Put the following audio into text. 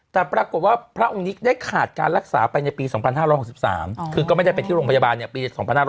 แต่ปรากฏว่าพระองค์นี้ได้ขาดการรักษาไปในปี๒๕๖๓คือก็ไม่ได้ไปที่โรงพยาบาลปี๒๕๖๐